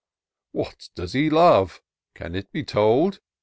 What does he love ? can it be told